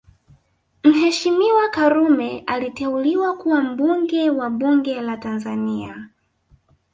Mheshimiwa Karume aliteuliwa kuwa mbunge wa bunge la Tanzania